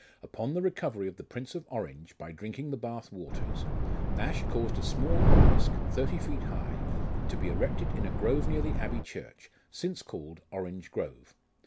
Upon the recovery of the Prince of Orange, by drinking the Bath waters, Nash caused a small obelisk, thirty feet high, to be erected in a grove near the Abbey church, since called Orange Grove.